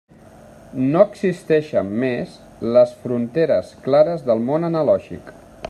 No existeixen més les fronteres clares del món analògic.